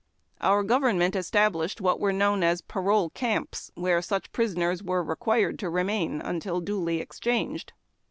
Our government established what were known as parole camps, where such prisoners were required to remain until duly exchanged.